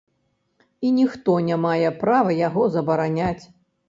І ніхто не мае права яго забараняць.